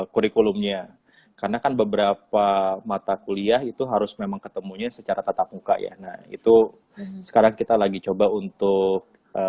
kurikulumnya karena kan beberapa mata kuliah itu harus memang ketemunya secara tatap muka ya nah itu sekarang kita lagi coba untuk